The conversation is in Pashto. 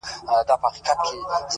زما د ښار ځوان’